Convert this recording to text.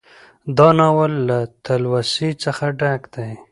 دا ناول له تلوسې څخه ډک دى